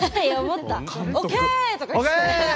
「ＯＫ！」とか。